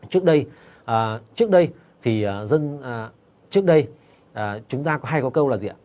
trước đây chúng ta hay có câu là gì ạ